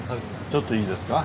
ちょっといいですか？